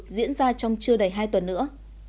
diễn ra trong chưa đầy hai tuần nữa